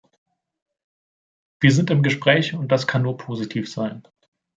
Wir sind im Gespräch, und das kann nur positiv sein.